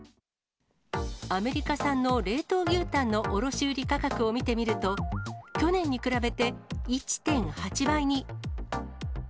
アメリカ産の冷凍牛タンの卸売り価格を見てみると、去年に比べて１．８倍に。